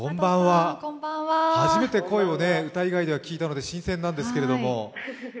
初めて声を歌以外では聞いたので新鮮なのですけど。